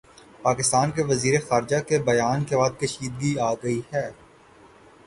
پاکستان کے وزیر خارجہ کے بیان کے بعد کشیدگی آگئی ہے